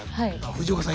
藤岡さん